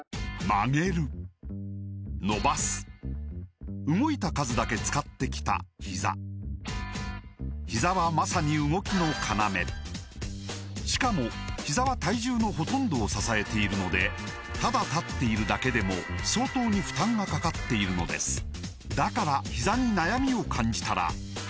曲げる伸ばす動いた数だけ使ってきたひざひざはまさに動きの要しかもひざは体重のほとんどを支えているのでただ立っているだけでも相当に負担がかかっているのですだからひざに悩みを感じたら始めてみませんか